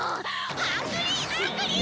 ハングリーアングリー！